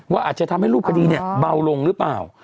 ว่าอาจจะทำให้รูปคดีเบาลงหรือเปล่า